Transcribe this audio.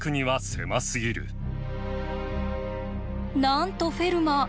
なんとフェルマー